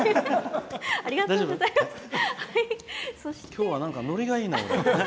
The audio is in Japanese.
今日はノリがいいな、俺。